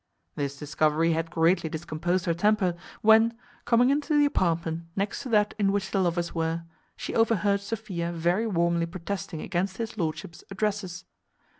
This discovery had greatly discomposed her temper, when, coming into the apartment next to that in which the lovers were, she overheard Sophia very warmly protesting against his lordship's addresses.